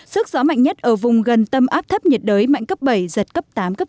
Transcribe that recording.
sức gió mạnh nhất ở vùng gần tâm áp thấp nhiệt đới mạnh cấp bảy giật cấp tám cấp chín